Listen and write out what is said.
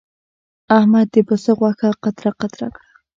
احمد د پسه غوښه قطره قطره کړه.